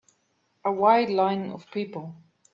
A wide line of people.